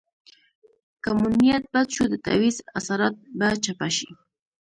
که مو نیت بد شو د تعویض اثرات به چپه شي.